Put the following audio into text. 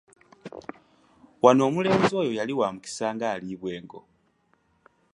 Wano omulenzi oyo yali wa mukisa ng'aliibwa engo.